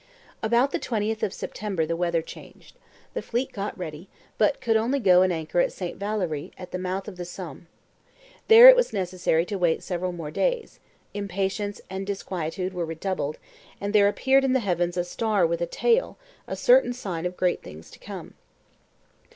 About the 20th of September the weather changed. The fleet got ready, but could only go and anchor at St. Valery at the mouth of the Somme. There it was necessary to wait several more days; impatience and disquietude were redoubled; "and there appeared in the heavens a star with a tail, a certain sign of great things to come."